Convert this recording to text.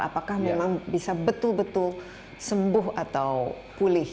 apakah memang bisa betul betul sembuh atau pulih